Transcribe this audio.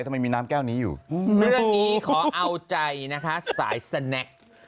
ทำไมมีน้ำแก้วนี้อยู่เรื่องนี้ขอเอาใจนะคะสายสแนค